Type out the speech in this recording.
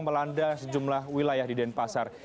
melanda sejumlah wilayah di denpasar